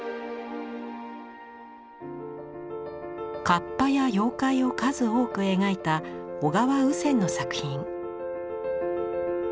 河童や妖怪を数多く描いた小川芋銭の作品。